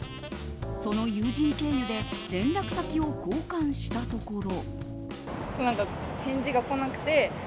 その友人経由で連絡先を交換したところ。